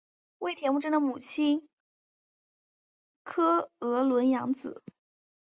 为铁木真的母亲诃额仑养子。